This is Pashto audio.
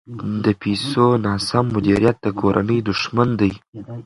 د پیسو ناسم مدیریت د کورنۍ دښمن دی.